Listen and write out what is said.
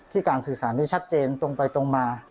การสื่อสารนี้ชัดเจนตรงไปตรงมา